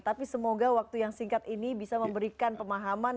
tapi semoga waktu yang singkat ini bisa memberikan pemahaman